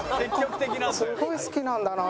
すごい好きなんだなあ